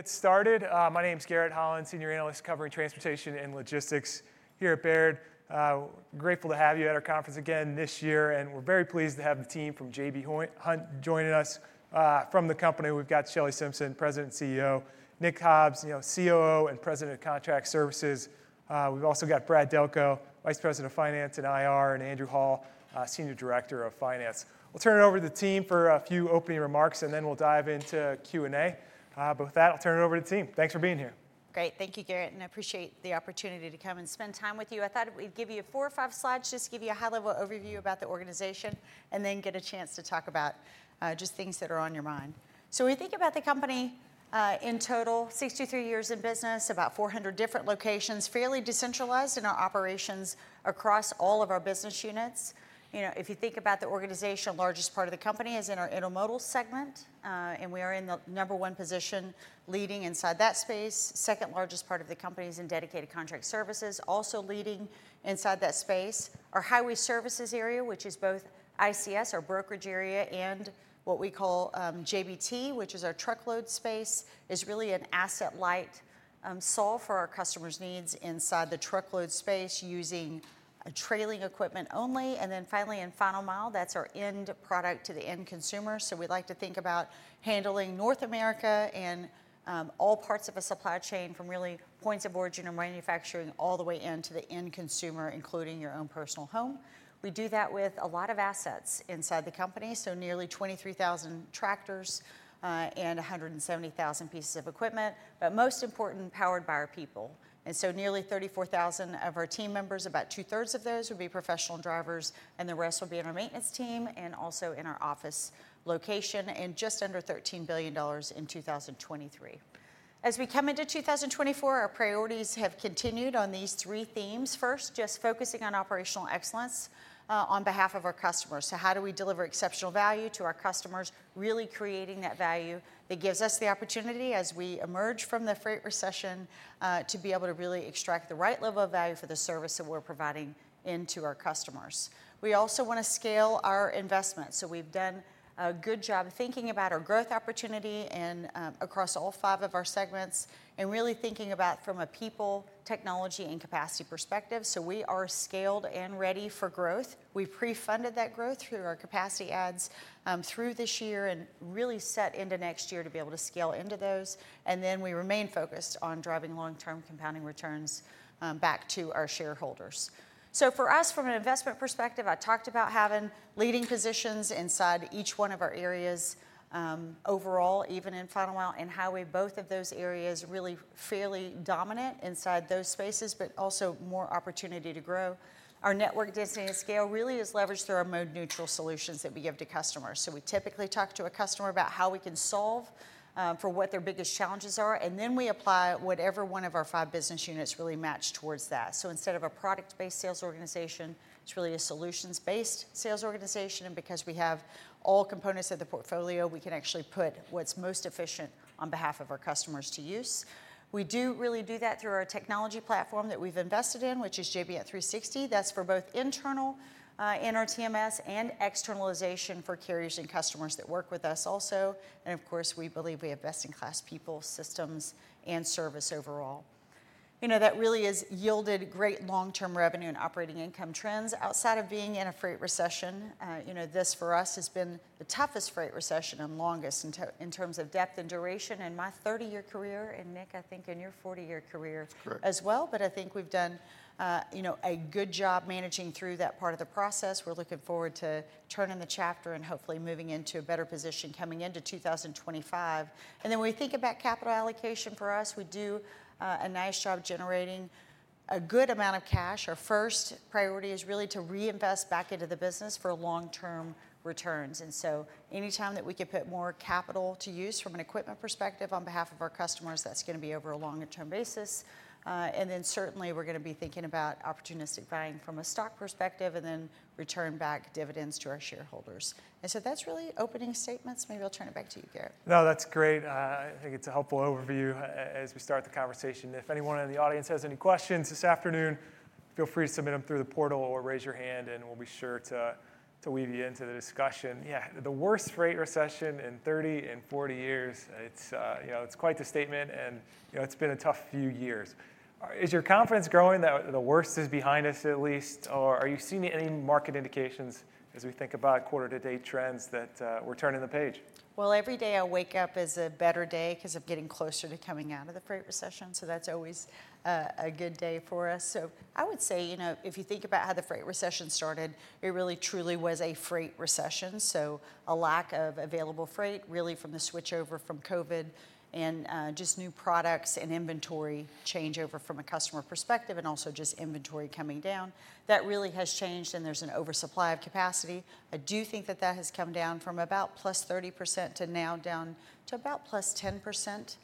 Get started. My name's Garrett Holland, Senior Analyst covering Transportation and Logistics here at Baird. Grateful to have you at our conference again this year, and we're very pleased to have the team from J.B. Hunt joining us from the company. We've got Shelley Simpson, President and CEO, Nick Hobbs, COO and President of Contract Services. We've also got Brad Delco, Vice President of Finance and IR, and Andrew Hall, Senior Director of Finance. We'll turn it over to the team for a few opening remarks, and then we'll dive into Q&A. But with that, I'll turn it over to the team. Thanks for being here. Great. Thank you, Garrett, and I appreciate the opportunity to come and spend time with you. I thought we'd give you four or five slides just to give you a high-level overview about the organization and then get a chance to talk about just things that are on your mind. So when you think about the company, in total, 63 years in business, about 400 different locations, fairly decentralized in our operations across all of our business units. If you think about the organization, the largest part of the company is in our Intermodal segment, and we are in the number one position leading inside that space. The second largest part of the company is in Dedicated Contract Services. Also leading inside that space are Highway Services area, which is both ICS, our brokerage area, and what we call JBT, which is our truckload space. It's really an asset-light solve for our customers' needs inside the truckload space using trailing equipment only. And then finally, in Final Mile, that's our end product to the end consumer. So we like to think about handling North America and all parts of a supply chain from really points of origin and manufacturing all the way into the end consumer, including your own personal home. We do that with a lot of assets inside the company, so nearly 23,000 tractors and 170,000 pieces of equipment, but most importantly, powered by our people. And so nearly 34,000 of our team members, about two-thirds of those would be professional drivers, and the rest will be in our maintenance team and also in our office location, and just under $13 billion in 2023. As we come into 2024, our priorities have continued on these three themes. First, just focusing on operational excellence on behalf of our customers. So how do we deliver exceptional value to our customers, really creating that value that gives us the opportunity as we emerge from the freight recession to be able to really extract the right level of value for the service that we're providing into our customers? We also want to scale our investment. So we've done a good job thinking about our growth opportunity across all five of our segments and really thinking about from a people, technology, and capacity perspective. So we are scaled and ready for growth. We've pre-funded that growth through our capacity adds through this year and really set into next year to be able to scale into those. And then we remain focused on driving long-term compounding returns back to our shareholders. So for us, from an investment perspective, I talked about having leading positions inside each one of our areas overall, even in Final Mile, and highway, both of those areas really fairly dominant inside those spaces, but also more opportunity to grow. Our network density and scale really is leveraged through our mode-neutral solutions that we give to customers. So we typically talk to a customer about how we can solve for what their biggest challenges are, and then we apply whatever one of our five business units really match towards that. So instead of a product-based sales organization, it's really a solutions-based sales organization. And because we have all components of the portfolio, we can actually put what's most efficient on behalf of our customers to use. We do really do that through our technology platform that we've invested in, which is J.B. Hunt 360. That's for both internal and our TMS and externalization for carriers and customers that work with us also, and of course, we believe we have best-in-class people, systems, and service overall. That really has yielded great long-term revenue and operating income trends. Outside of being in a freight recession, this for us has been the toughest freight recession and longest in terms of depth and duration. In my 30-year career and Nick, I think in your 40-year career as well, but I think we've done a good job managing through that part of the process. We're looking forward to turning the chapter and hopefully moving into a better position coming into 2025, and then when we think about capital allocation for us, we do a nice job generating a good amount of cash. Our first priority is really to reinvest back into the business for long-term returns. And so anytime that we could put more capital to use from an equipment perspective on behalf of our customers, that's going to be over a longer-term basis. And then certainly we're going to be thinking about opportunistic buying from a stock perspective and then return back dividends to our shareholders. And so that's really opening statements. Maybe I'll turn it back to you, Garrett. No, that's great. I think it's a helpful overview as we start the conversation. If anyone in the audience has any questions this afternoon, feel free to submit them through the portal or raise your hand, and we'll be sure to weave you into the discussion. Yeah, the worst freight recession in 30 and 40 years, it's quite the statement, and it's been a tough few years. Is your confidence growing that the worst is behind us at least? Or are you seeing any market indications as we think about quarter-to-date trends that we're turning the page? Every day I wake up is a better day because of getting closer to coming out of the freight recession. That's always a good day for us. I would say if you think about how the freight recession started, it really truly was a freight recession. A lack of available freight really from the switchover from COVID and just new products and inventory changeover from a customer perspective and also just inventory coming down, that really has changed and there's an oversupply of capacity. I do think that that has come down from about +30% to now down to about +10%.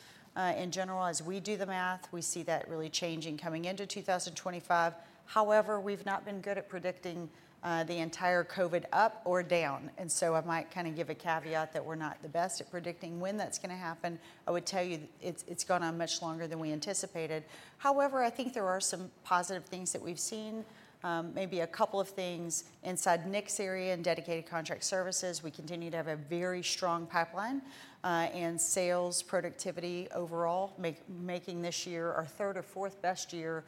In general, as we do the math, we see that really changing coming into 2025. However, we've not been good at predicting the entire COVID up or down. And so, I might kind of give a caveat that we're not the best at predicting when that's going to happen. I would tell you it's gone on much longer than we anticipated. However, I think there are some positive things that we've seen, maybe a couple of things inside Nick's area and Dedicated Contract Services. We continue to have a very strong pipeline and sales productivity overall, making this year our third or fourth best year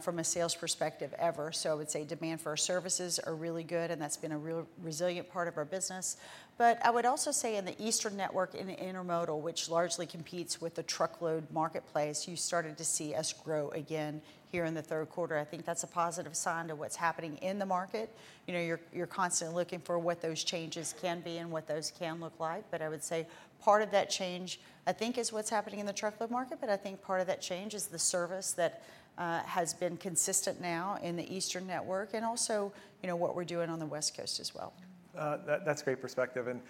from a sales perspective ever. So, I would say demand for our services are really good, and that's been a real resilient part of our business. But I would also say in the Eastern network in Intermodal, which largely competes with the truckload marketplace, you started to see us grow again here in the third quarter. I think that's a positive sign to what's happening in the market. You're constantly looking for what those changes can be and what those can look like. But I would say part of that change, I think, is what's happening in the truckload market, but I think part of that change is the service that has been consistent now in the Eastern network and also what we're doing on the West Coast as well. That's great perspective. And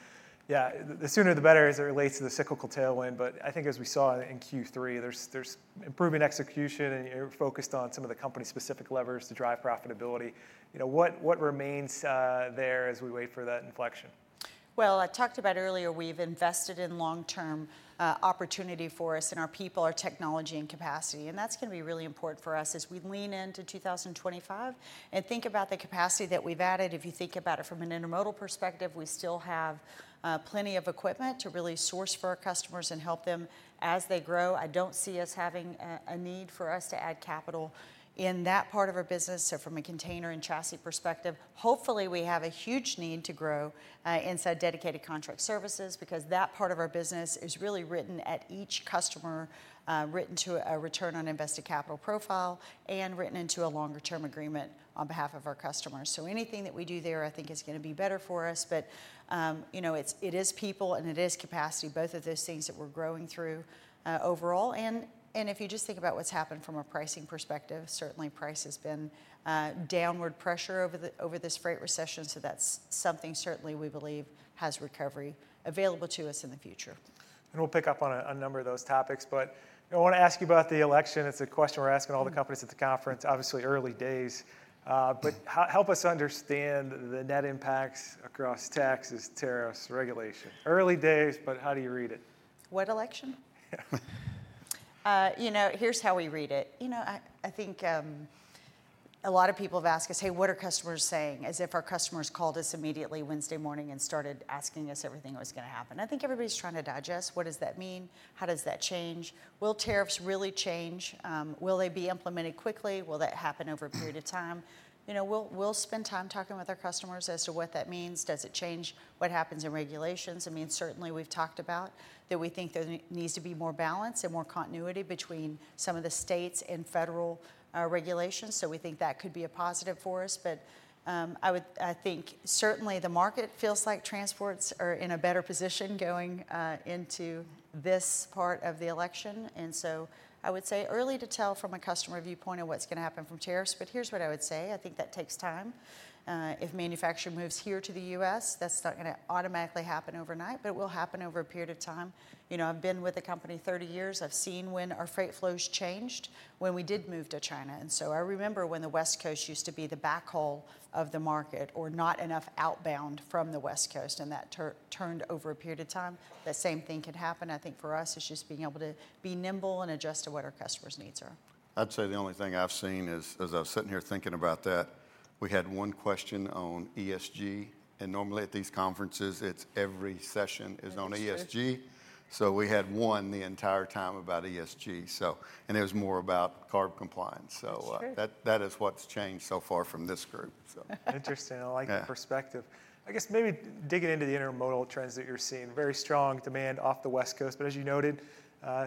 yeah, the sooner the better as it relates to the cyclical tailwind. But I think as we saw in Q3, there's improving execution and you're focused on some of the company-specific levers to drive profitability. What remains there as we wait for that inflection? I talked about earlier, we've invested in long-term opportunity for us in our people, our technology, and capacity. That's going to be really important for us as we lean into 2025 and think about the capacity that we've added. If you think about it from an Intermodal perspective, we still have plenty of equipment to really source for our customers and help them as they grow. I don't see us having a need for us to add capital in that part of our business. From a container and chassis perspective, hopefully we have a huge need to grow inside Dedicated Contract Services because that part of our business is really written at each customer, written to a return on invested capital profile and written into a longer-term agreement on behalf of our customers. So anything that we do there, I think, is going to be better for us. But it is people and it is capacity, both of those things that we're growing through overall. And if you just think about what's happened from a pricing perspective, certainly price has been downward pressure over this freight recession. So that's something certainly we believe has recovery available to us in the future. And we'll pick up on a number of those topics. But I want to ask you about the election. It's a question we're asking all the companies at the conference, obviously early days. But help us understand the net impacts across taxes, tariffs, regulation. Early days, but how do you read it? What election? Here's how we read it. I think a lot of people have asked us, "Hey, what are customers saying?" as if our customers called us immediately Wednesday morning and started asking us everything that was going to happen. I think everybody's trying to digest. What does that mean? How does that change? Will tariffs really change? Will they be implemented quickly? Will that happen over a period of time? We'll spend time talking with our customers as to what that means. Does it change what happens in regulations? I mean, certainly we've talked about that we think there needs to be more balance and more continuity between some of the states and federal regulations. So we think that could be a positive for us. But I think certainly the market feels like transports are in a better position going into this part of the election. And so I would say it's too early to tell from a customer viewpoint of what's going to happen from tariffs. But here's what I would say. I think that takes time. If manufacturing moves here to the U.S., that's not going to automatically happen overnight, but it will happen over a period of time. I've been with the company 30 years. I've seen when our freight flows changed when we did move to China. And so I remember when the West Coast used to be the backhaul of the market or not enough outbound from the West Coast, and that turned over a period of time. That same thing could happen. I think for us, it's just being able to be nimble and adjust to what our customers' needs are. I'd say the only thing I've seen is, as I was sitting here thinking about that, we had one question on ESG, and normally at these conferences, it's every session is on ESG, so we had one the entire time about ESG, and it was more about CARB compliance. So that is what's changed so far from this group. Interesting. I like the perspective. I guess maybe digging into the Intermodal trends that you're seeing, very strong demand off the West Coast, but as you noted,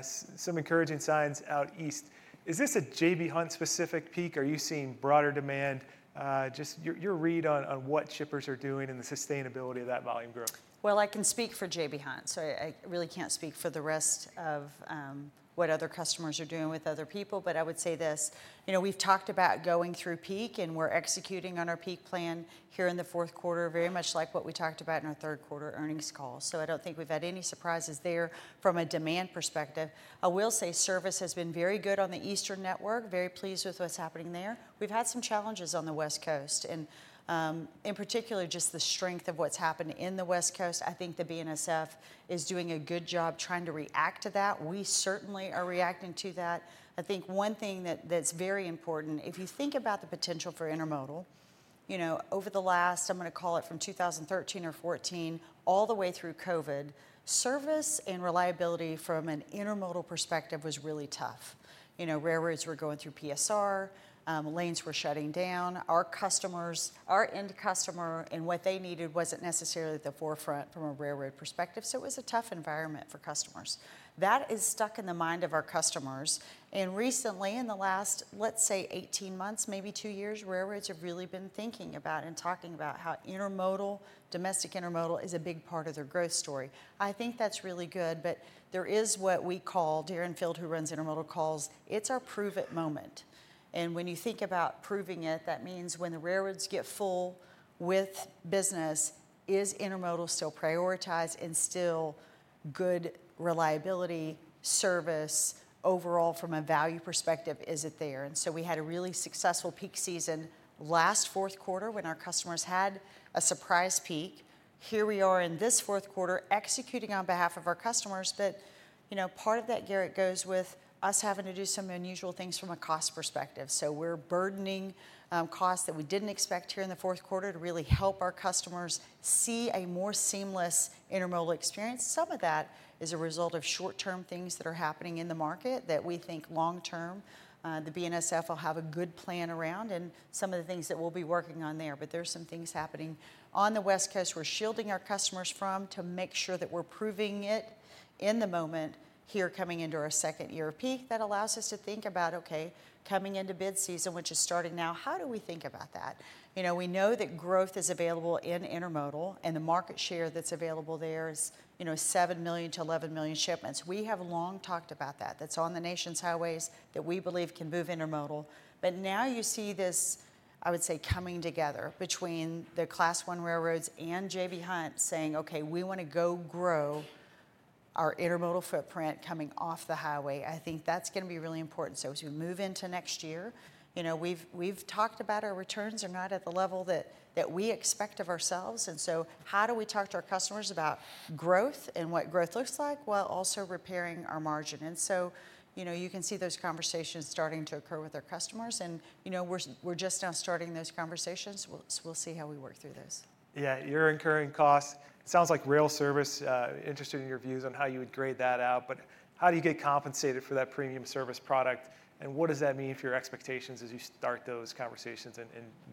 some encouraging signs out East. Is this a J.B. Hunt-specific peak? Are you seeing broader demand? Just your read on what shippers are doing and the sustainability of that volume growth? I can speak for J.B. Hunt. I really can't speak for the rest of what other customers are doing with other people, but I would say this. We've talked about going through peak, and we're executing on our peak plan here in the fourth quarter, very much like what we talked about in our third quarter earnings call. I don't think we've had any surprises there from a demand perspective. I will say service has been very good on the Eastern network, very pleased with what's happening there. We've had some challenges on the West Coast, and in particular, just the strength of what's happened in the West Coast. I think the BNSF is doing a good job trying to react to that. We certainly are reacting to that. I think one thing that's very important, if you think about the potential for Intermodal, over the last, I'm going to call it from 2013 or 2014, all the way through COVID, service and reliability from an Intermodal perspective was really tough. Railroads were going through PSR, lanes were shutting down. Our end customer and what they needed wasn't necessarily at the forefront from a railroad perspective. So it was a tough environment for customers. That is stuck in the mind of our customers, and recently, in the last, let's say, 18 months, maybe two years, railroads have really been thinking about and talking about how domestic Intermodal is a big part of their growth story. I think that's really good. But there is what we call. Darren Field, who runs Intermodal, calls it our prove-it moment. When you think about proving it, that means when the railroads get full with business, is Intermodal still prioritized and still good reliability, service overall from a value perspective? Is it there? We had a really successful peak season last fourth quarter when our customers had a surprise peak. Here we are in this fourth quarter executing on behalf of our customers. Part of that, Garrett, goes with us having to do some unusual things from a cost perspective. We're burdening costs that we didn't expect here in the fourth quarter to really help our customers see a more seamless Intermodal experience. Some of that is a result of short-term things that are happening in the market that we think long-term the BNSF will have a good plan around and some of the things that we'll be working on there. But there's some things happening on the West Coast we're shielding our customers from to make sure that we're proving it in the moment here coming into our second year of peak that allows us to think about, okay, coming into bid season, which is starting now, how do we think about that? We know that growth is available in Intermodal and the market share that's available there is 7-11 million shipments. We have long talked about that. That's on the nation's highways that we believe can move Intermodal. But now you see this, I would say, coming together between the Class I railroads and J.B. Hunt saying, "Okay, we want to go grow our Intermodal footprint coming off the highway." I think that's going to be really important. So as we move into next year, we've talked about our returns are not at the level that we expect of ourselves. And so how do we talk to our customers about growth and what growth looks like while also repairing our margin? And so you can see those conversations starting to occur with our customers. And we're just now starting those conversations. We'll see how we work through this. Yeah, you're incurring costs. It sounds like rail service. Interested in your views on how you would grade that out. But how do you get compensated for that premium service product? And what does that mean for your expectations as you start those conversations in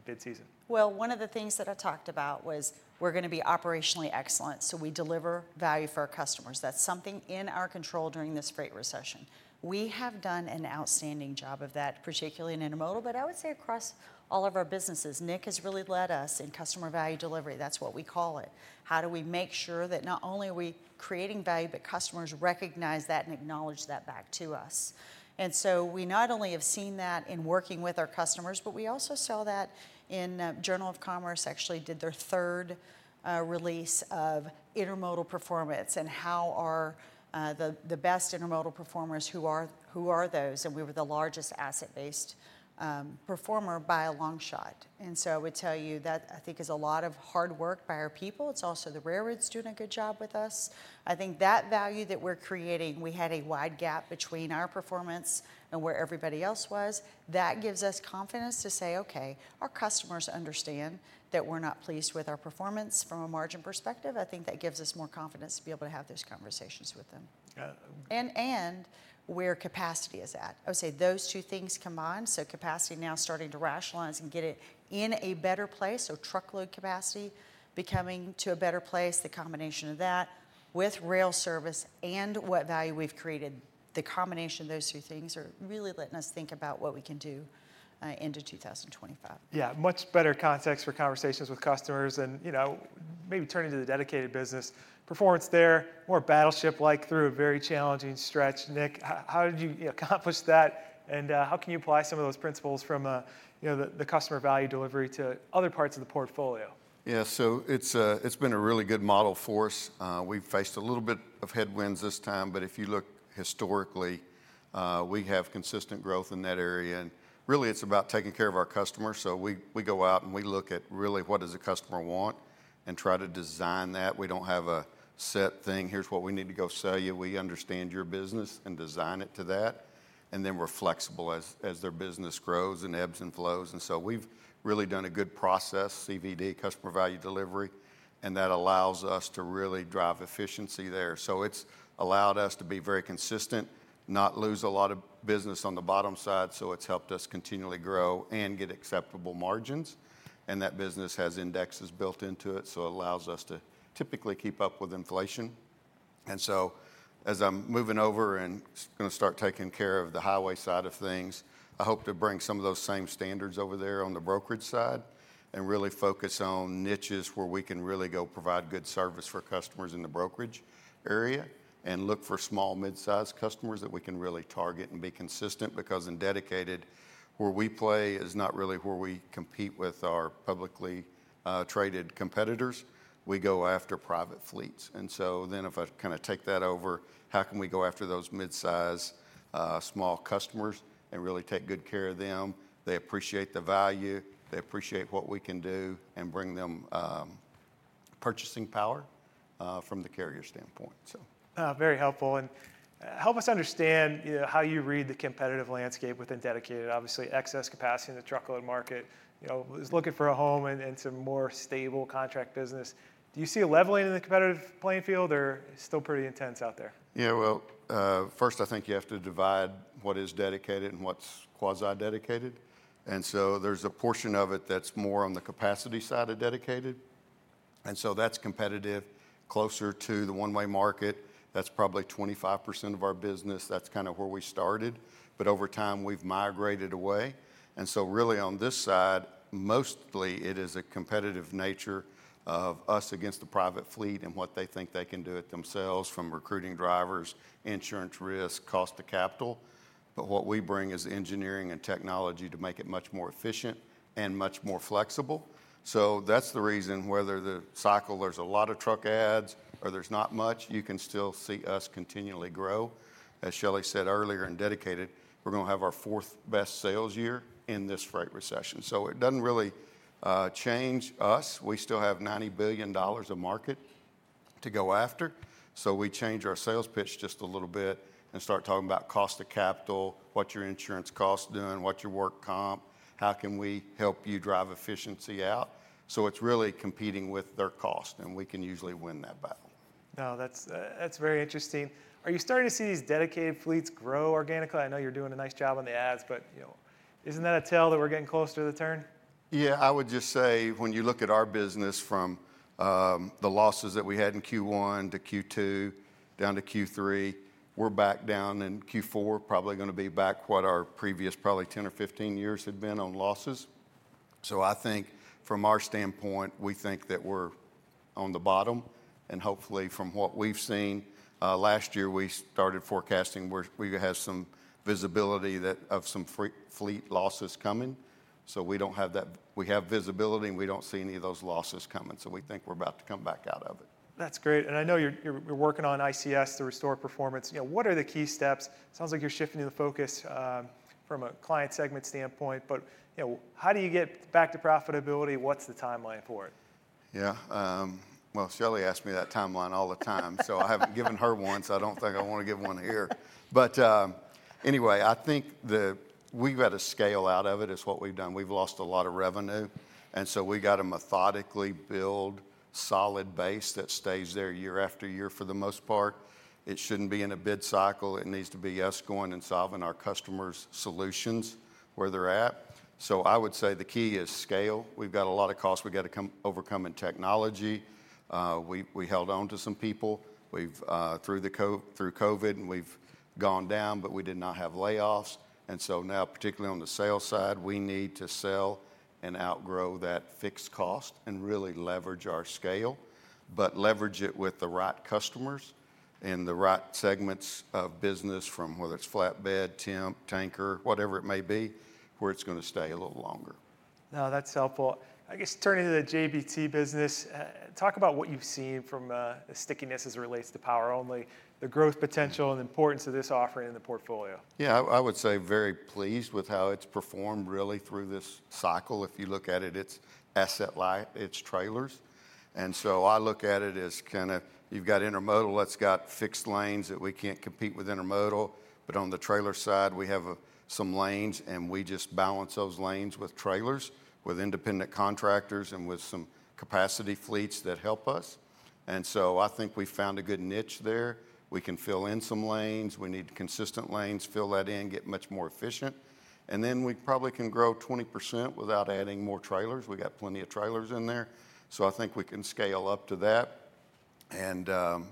bid season? One of the things that I talked about was we're going to be operationally excellent so we deliver value for our customers. That's something in our control during this freight recession. We have done an outstanding job of that, particularly in Intermodal, but I would say across all of our businesses. Nick has really led us in Customer Value Delivery. That's what we call it. How do we make sure that not only are we creating value, but customers recognize that and acknowledge that back to us, and so we not only have seen that in working with our customers, but we also saw that in Journal of Commerce actually did their third release of Intermodal performance and how are the best Intermodal performers, who are those? And we were the largest asset-based performer by a long shot. And so I would tell you that I think is a lot of hard work by our people. It's also the railroads doing a good job with us. I think that value that we're creating, we had a wide gap between our performance and where everybody else was. That gives us confidence to say, "Okay, our customers understand that we're not pleased with our performance from a margin perspective." I think that gives us more confidence to be able to have those conversations with them. And where capacity is at. I would say those two things combined. So capacity now starting to rationalize and get it in a better place. So truckload capacity becoming to a better place, the combination of that with rail service and what value we've created, the combination of those two things are really letting us think about what we can do into 2025. Yeah, much better context for conversations with customers and maybe turning to the Dedicated business. Performance there, more battleship-like through a very challenging stretch. Nick, how did you accomplish that? And how can you apply some of those principles from the Customer Value Delivery to other parts of the portfolio? Yeah, so it's been a really good model for us. We've faced a little bit of headwinds this time, but if you look historically, we have consistent growth in that area. And really, it's about taking care of our customers. So we go out and we look at really what does the customer want and try to design that. We don't have a set thing, "Here's what we need to go sell you. We understand your business and design it to that." And then we're flexible as their business grows and ebbs and flows. And so we've really done a good process, CVD, Customer Value Delivery, and that allows us to really drive efficiency there. So it's allowed us to be very consistent, not lose a lot of business on the bottom side. So it's helped us continually grow and get acceptable margins. That business has indexes built into it. It allows us to typically keep up with inflation. As I'm moving over and going to start taking care of the highway side of things, I hope to bring some of those same standards over there on the brokerage side and really focus on niches where we can really go provide good service for customers in the brokerage area and look for small, mid-sized customers that we can really target and be consistent because in Dedicated, where we play is not really where we compete with our publicly traded competitors. We go after private fleets. If I kind of take that over, how can we go after those mid-size, mid-sized customers and really take good care of them? They appreciate the value. They appreciate what we can do and bring them purchasing power from the carrier standpoint. Very helpful, and help us understand how you read the competitive landscape within Dedicated, obviously excess capacity in the truckload market. He's looking for a home and some more stable contract business. Do you see a leveling in the competitive playing field, or it's still pretty intense out there? Yeah, well, first, I think you have to divide what is Dedicated and what's quasi-Dedicated. And so there's a portion of it that's more on the capacity side of Dedicated. And so that's competitive closer to the one-way market. That's probably 25% of our business. That's kind of where we started. But over time, we've migrated away. And so really on this side, mostly it is a competitive nature of us against the private fleet and what they think they can do it themselves from recruiting drivers, insurance risk, cost of capital. But what we bring is engineering and technology to make it much more efficient and much more flexible. So that's the reason whether the cycle, there's a lot of truckloads or there's not much, you can still see us continually grow. As Shelley said earlier in Dedicated, we're going to have our fourth best sales year in this freight recession. So it doesn't really change us. We still have $90 billion of market to go after. So we change our sales pitch just a little bit and start talking about cost of capital, what's your insurance cost doing, what's your work comp, how can we help you drive efficiency out? So it's really competing with their cost and we can usually win that battle. No, that's very interesting. Are you starting to see these Dedicated fleets grow organically? I know you're doing a nice job on the ads, but isn't that a tell that we're getting closer to the turn? Yeah, I would just say when you look at our business from the losses that we had in Q1 to Q2 down to Q3, we're back down in Q4, probably going to be back what our previous probably 10 or 15 years had been on losses. So I think from our standpoint, we think that we're on the bottom. And hopefully from what we've seen last year, we started forecasting where we have some visibility of some fleet losses coming. So we don't have that. We have visibility and we don't see any of those losses coming. So we think we're about to come back out of it. That's great. And I know you're working on ICS to restore performance. What are the key steps? It sounds like you're shifting the focus from a client segment standpoint, but how do you get back to profitability? What's the timeline for it? Yeah, well, Shelley asked me that timeline all the time. So I haven't given her one. So I don't think I want to give one here. But anyway, I think we've got to scale out of it, is what we've done. We've lost a lot of revenue. And so we got to methodically build a solid base that stays there year after year for the most part. It shouldn't be in a bid season. It needs to be us going and solving our customers' solutions where they're at. So I would say the key is scale. We've got a lot of costs we got to overcome in technology. We held on to some people through COVID and we've gone down, but we did not have layoffs. And so now, particularly on the sales side, we need to sell and outgrow that fixed cost and really leverage our scale, but leverage it with the right customers in the right segments of business from whether it's flatbed, temp, tanker, whatever it may be, where it's going to stay a little longer. No, that's helpful. I guess turning to the JBT business, talk about what you've seen from the stickiness as it relates to power-only, the growth potential and the importance of this offering in the portfolio. Yeah, I would say very pleased with how it's performed really through this cycle. If you look at it, it's asset-light, it's trailers. And so I look at it as kind of you've got Intermodal that's got fixed lanes that we can't compete with Intermodal. But on the trailer side, we have some lanes and we just balance those lanes with trailers, with independent contractors, and with some capacity fleets that help us. And so I think we found a good niche there. We can fill in some lanes. We need consistent lanes, fill that in, get much more efficient. And then we probably can grow 20% without adding more trailers. We got plenty of trailers in there. So I think we can scale up to that. And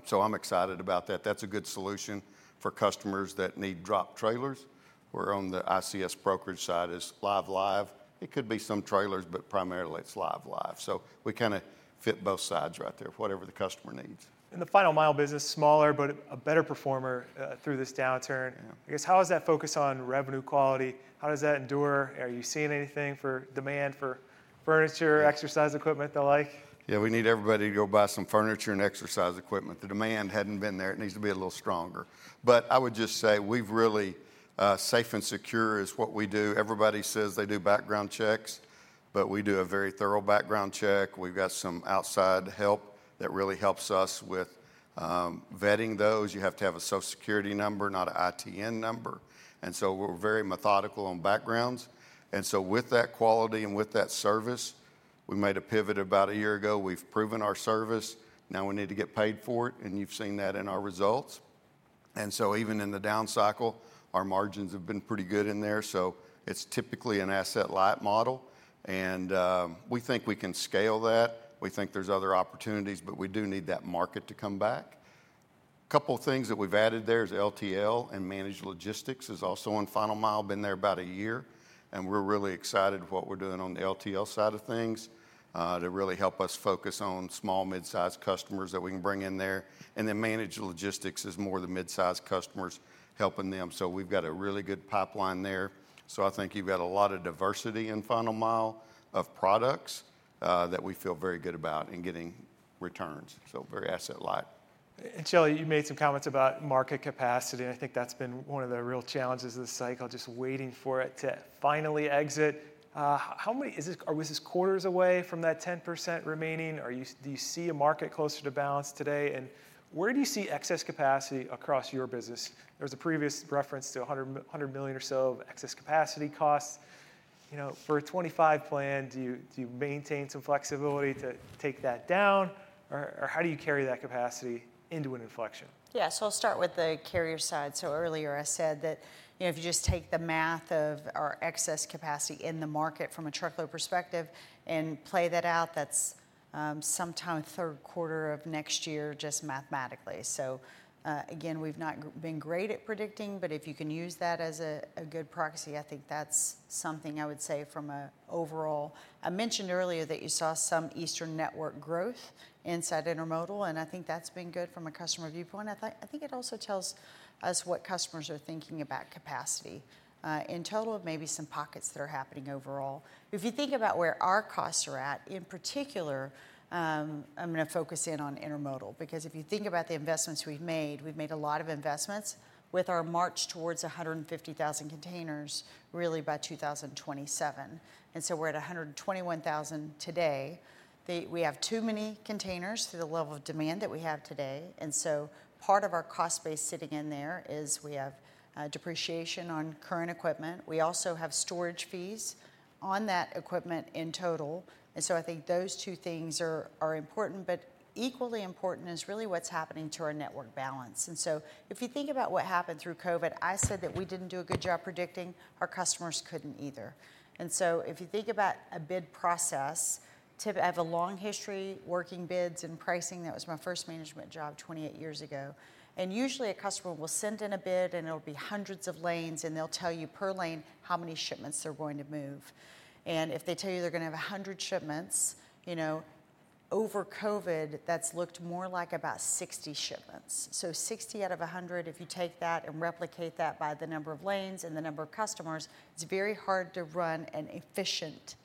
so I'm excited about that. That's a good solution for customers that need dropped trailers. We're on the ICS brokerage side as LTL. It could be some trailers, but primarily it's LTL. So we kind of fit both sides right there, whatever the customer needs. And the Final Mile business, smaller, but a better performer through this downturn. I guess how is that focus on revenue quality? How does that endure? Are you seeing anything for demand for furniture, exercise equipment, the like? Yeah, we need everybody to go buy some furniture and exercise equipment. The demand hadn't been there. It needs to be a little stronger, but I would just say we're really safe and secure is what we do. Everybody says they do background checks, but we do a very thorough background check. We've got some outside help that really helps us with vetting those. You have to have a Social Security number, not an ITIN number, and so we're very methodical on backgrounds, and so with that quality and with that service, we made a pivot about a year ago. We've proven our service. Now we need to get paid for it, and you've seen that in our results, and so even in the down cycle, our margins have been pretty good in there. So it's typically an asset-light model, and we think we can scale that. We think there's other opportunities, but we do need that market to come back. A couple of things that we've added there is LTL and Managed Logistics is also on Final Mile, been there about a year. And we're really excited about what we're doing on the LTL side of things to really help us focus on small, mid-sized customers that we can bring in there. And then Managed Logistics is more the mid-sized customers helping them. So we've got a really good pipeline there. So I think you've got a lot of diversity in Final Mile of products that we feel very good about and getting returns. So very asset-light. Shelley, you made some comments about market capacity. I think that's been one of the real challenges of the cycle, just waiting for it to finally exit. How many is this? Are we just quarters away from that 10% remaining? Do you see a market closer to balance today? And where do you see excess capacity across your business? There was a previous reference to $100 million or so of excess capacity costs. For a 25 plan, do you maintain some flexibility to take that down? Or how do you carry that capacity into an inflection? Yeah, so I'll start with the carrier side. So earlier I said that if you just take the math of our excess capacity in the market from a truckload perspective and play that out, that's sometime third quarter of next year just mathematically. So again, we've not been great at predicting, but if you can use that as a good proxy, I think that's something I would say from an overall. I mentioned earlier that you saw some Eastern network growth inside Intermodal. And I think that's been good from a customer viewpoint. I think it also tells us what customers are thinking about capacity in total of maybe some pockets that are happening overall. If you think about where our costs are at in particular, I'm going to focus in on Intermodal because if you think about the investments we've made, we've made a lot of investments with our march towards 150,000 containers really by 2027, and so we're at 121,000 today. We have too many containers to the level of demand that we have today, and so part of our cost base sitting in there is we have depreciation on current equipment. We also have storage fees on that equipment in total, and so I think those two things are important, but equally important is really what's happening to our network balance, and so if you think about what happened through COVID, I said that we didn't do a good job predicting. Our customers couldn't either. And so if you think about a bid process, I have a long history working bids and pricing. That was my first management job 28 years ago. And usually a customer will send in a bid and it'll be hundreds of lanes and they'll tell you per lane how many shipments they're going to move. And if they tell you they're going to have 100 shipments, over COVID, that's looked more like about 60 shipments. So 60 out of 100, if you take that and replicate that by the number of lanes and the number of customers, it's very hard to run an efficient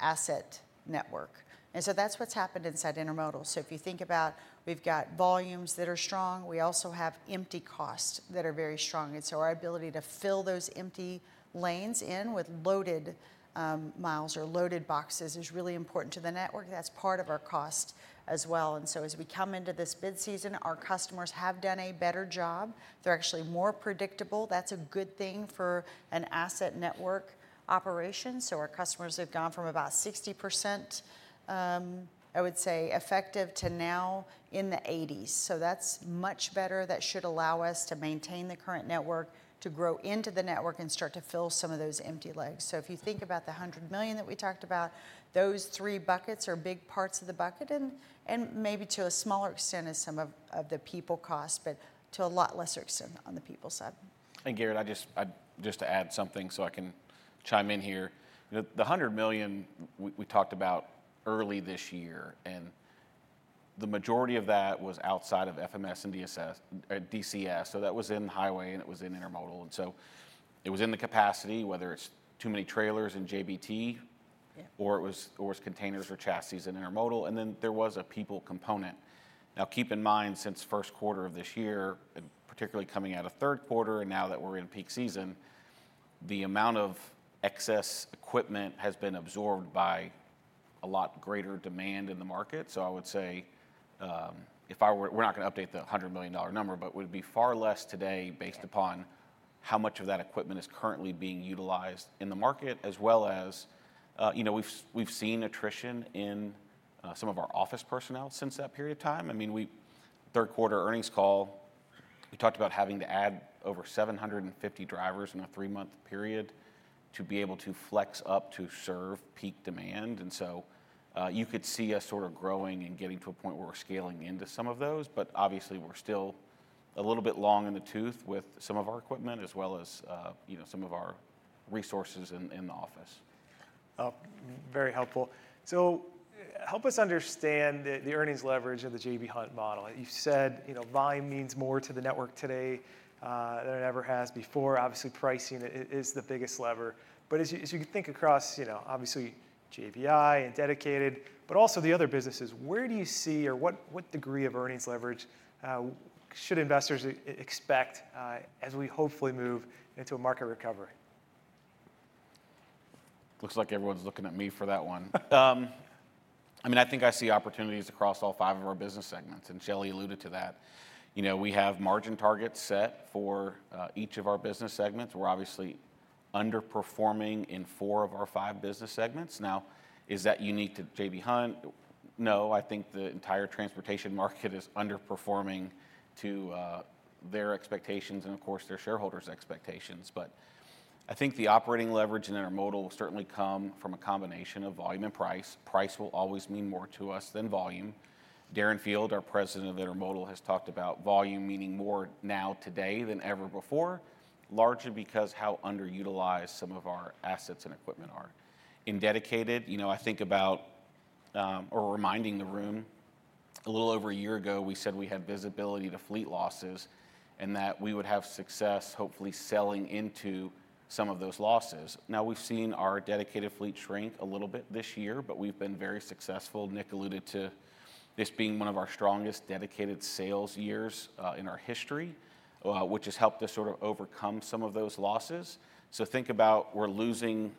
asset network. And so that's what's happened inside Intermodal. So if you think about we've got volumes that are strong, we also have empty costs that are very strong. And so our ability to fill those empty lanes in with loaded miles or loaded boxes is really important to the network. That's part of our cost as well. And so as we come into this bid season, our customers have done a better job. They're actually more predictable. That's a good thing for an asset network operation. So our customers have gone from about 60%, I would say, effective to now in the 80s. So that's much better. That should allow us to maintain the current network, to grow into the network and start to fill some of those empty legs. So if you think about the $100 million that we talked about, those three buckets are big parts of the bucket and maybe to a smaller extent as some of the people cost, but to a lot lesser extent on the people side. And Garrett, just to add something so I can chime in here. The $100 million we talked about early this year, and the majority of that was outside of FMS and DCS. So that was in highway and it was in Intermodal. And so it was in the capacity, whether it's too many trailers in JBT or it was containers or chassis in Intermodal. And then there was a people component. Now keep in mind since first quarter of this year, particularly coming out of third quarter and now that we're in peak season, the amount of excess equipment has been absorbed by a lot greater demand in the market. So I would say if we're not going to update the $100 million number, but it would be far less today based upon how much of that equipment is currently being utilized in the market as well as we've seen attrition in some of our office personnel since that period of time. I mean, third quarter earnings call, we talked about having to add over 750 drivers in a three-month period to be able to flex up to serve peak demand. And so you could see us sort of growing and getting to a point where we're scaling into some of those, but obviously we're still a little bit long in the tooth with some of our equipment as well as some of our resources in the office. Very helpful. So help us understand the earnings leverage of the J.B. Hunt model. You said volume means more to the network today than it ever has before. Obviously, pricing is the biggest lever. But as you think across, obviously JBI and Dedicated, but also the other businesses, where do you see or what degree of earnings leverage should investors expect as we hopefully move into a market recovery? Looks like everyone's looking at me for that one. I mean, I think I see opportunities across all five of our business segments, and Shelley alluded to that. We have margin targets set for each of our business segments. We're obviously underperforming in four of our five business segments. Now, is that unique to J.B. Hunt? No, I think the entire transportation market is underperforming to their expectations and of course their shareholders' expectations. But I think the operating leverage in Intermodal will certainly come from a combination of volume and price. Price will always mean more to us than volume. Darren Field, our President of Intermodal, has talked about volume meaning more now today than ever before, largely because of how underutilized some of our assets and equipment are. In Dedicated, I think about or reminding the room, a little over a year ago, we said we had visibility to fleet losses and that we would have success hopefully selling into some of those losses. Now we've seen our Dedicated fleet shrink a little bit this year, but we've been very successful. Nick alluded to this being one of our strongest Dedicated sales years in our history, which has helped us sort of overcome some of those losses. So think about we're losing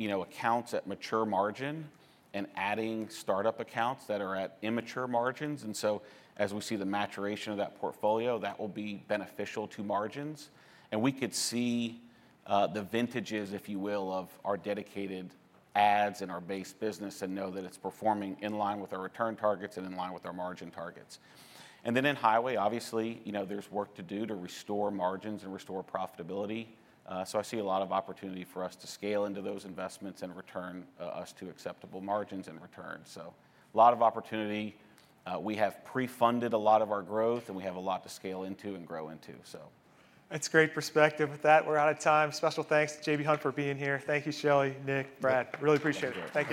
accounts at mature margin and adding startup accounts that are at immature margins. And so as we see the maturation of that portfolio, that will be beneficial to margins. And we could see the vintages, if you will, of our Dedicated assets and our base business and know that it's performing in line with our return targets and in line with our margin targets. And then in highway, obviously, there's work to do to restore margins and restore profitability. So I see a lot of opportunity for us to scale into those investments and return us to acceptable margins and returns. So a lot of opportunity. We have pre-funded a lot of our growth and we have a lot to scale into and grow into. That's great perspective with that. We're out of time. Special thanks to J.B. Hunt for being here. Thank you, Shelley, Nick, Brad. Really appreciate it.